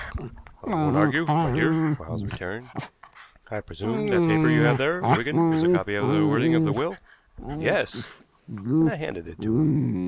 "I won't argue, my dear," Quarles returned. "I presume that paper you have there, Wigan, is a copy of the wording of the will?" "Yes," and I handed it to him.